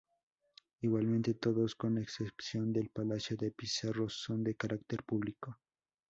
Igualmente todos, con excepción del Palacio de Pizarro, son de carácter público.